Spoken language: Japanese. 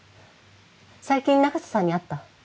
最近中瀬さんに会った？